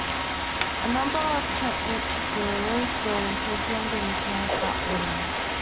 A number of Chetnik guerrillas were imprisoned in the camp that autumn.